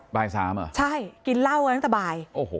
บ่าย๓อ่ะใช่กินเหล้ากันตั้งแต่บ่าย